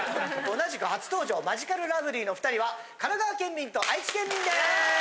同じく初登場マヂカルラブリーの２人は神奈川県民と愛知県民です。